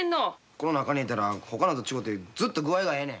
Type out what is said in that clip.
この中に入れたらほかのと違てずっと具合がええねん。